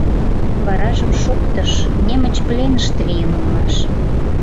Варажым шоктыш: немыч пленыште лийын улмаш.